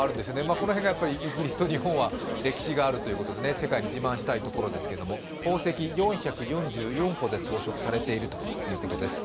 この辺が日本とイギリスは歴史があるというところで世界に自慢したいところですが宝石４４４個で装飾されているということです。